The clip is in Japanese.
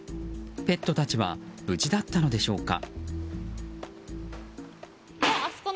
ペットたちは無事だったのでしょうか。